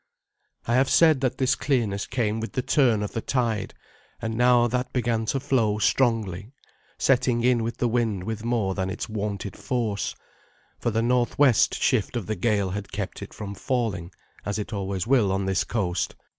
I have said that this clearness came with the turn of the tide, and now that began to flow strongly, setting in with the wind with more than its wonted force, for the northwest shift of the gale had kept it from falling, as it always will on this coast.